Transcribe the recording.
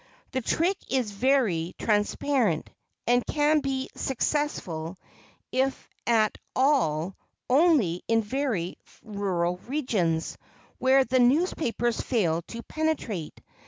The trick is very transparent, and can be successful, if at all, only in very rural regions, where the newspapers fail to penetrate.